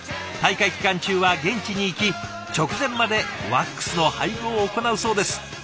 大会期間中は現地に行き直前までワックスの配合を行うそうです。